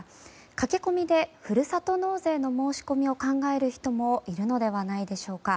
駆け込みでふるさと納税の申し込みを考える人もいるのではないでしょうか。